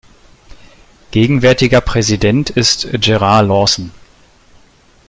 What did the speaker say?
Gegenwärtiger Präsident ist Gerard Lawson.